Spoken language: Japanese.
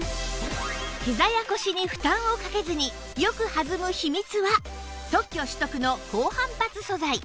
ひざや腰に負担をかけずによく弾む秘密は特許取得の高反発素材